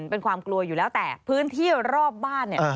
เป็นความกลัวอยู่แล้วแต่พื้นที่รอบบ้านเนี่ย